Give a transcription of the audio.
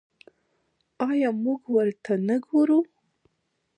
آیا موږ ورته نه ګورو؟